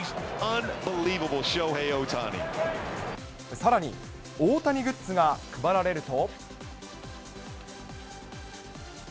さらに大谷グッズが配られると。